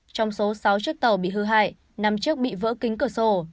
trong số sáu chiếc tàu bị hư hại năm chiếc bị vỡ kính cửa sổ